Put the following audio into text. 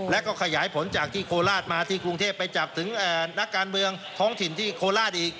แล้วก็ขยายผลจากที่โคราชมาที่กรุงเทพไปจับถึงนักการเมืองท้องถิ่นที่โคราชอีก